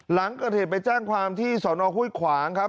หลังกระเทศไปแจ้งความที่สนฮุ้ยขวางครับ